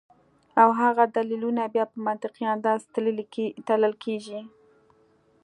او هغه دليلونه بیا پۀ منطقي انداز تللے کيږي